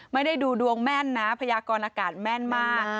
ไม่ได้ดูดวงแม่นนะพยากรอากาศแม่นมาก